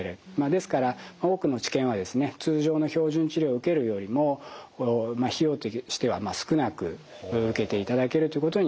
ですから多くの治験はですね通常の標準治療を受けるよりも費用としては少なく受けていただけるということになります。